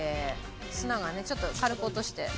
砂がねちょっと軽く落として。